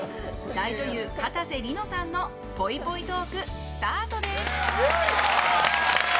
大女優・かたせ梨乃さんのぽいぽいトーク、スタートです。